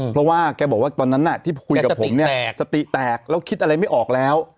เพราะว่าแกบอกว่าตอนนั้นที่คุยกับผมเนี่ยสติแตกแล้วคิดอะไรไม่ออกแล้ว